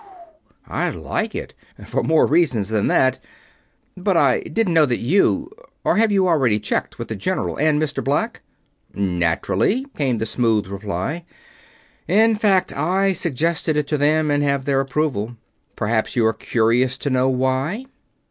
"I'd like it for more reasons than that. But I didn't know that you or have you already checked with the General and Mr. Black?" "Naturally," came the smooth reply. "In fact, I suggested it to them and have their approval. Perhaps you are curious to know why?"